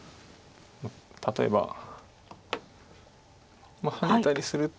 例えばハネたりすると。